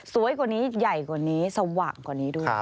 กว่านี้ใหญ่กว่านี้สว่างกว่านี้ด้วย